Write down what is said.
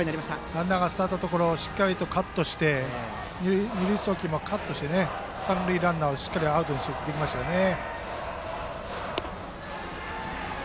ランナーがスタートしたところしっかりカットして二塁送球もカットして三塁ランナーをしっかりアウトにできましたね。